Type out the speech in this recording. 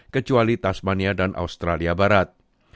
kecuali tasmania dan australia barat